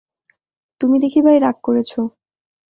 তুমি দেখি ভাই রাগ করেছ।